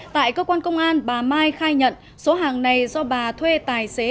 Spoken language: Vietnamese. tại cơ quan công an bà mai khai nhận số hàng này do bà thuê tài xế